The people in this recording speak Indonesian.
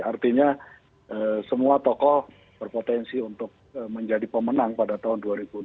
artinya semua tokoh berpotensi untuk menjadi pemenang pada tahun dua ribu dua puluh